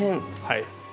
はい。